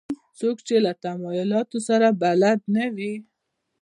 څوک چې له تمایلاتو سره بلد نه وي.